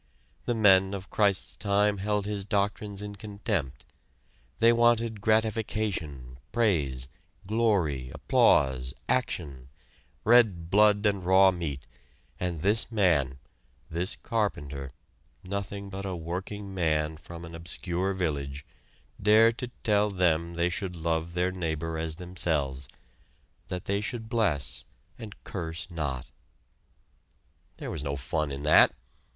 The men of Christ's time held His doctrines in contempt. They wanted gratification, praise, glory, applause, action red blood and raw meat, and this man, this carpenter, nothing but a working man from an obscure village, dared to tell them they should love their neighbor as themselves, that they should bless and curse not. There was no fun in that!